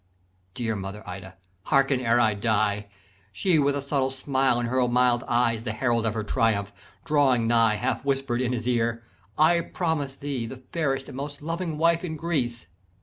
"Dear mother Ida, harken ere I die. She with a subtle smile in her mild eyes, The herald of her triumph, drawing nigh Half whisper'd in his ear, 'I promise thee The fairest and most loving wife in Greece.'